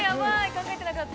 考えてなかった。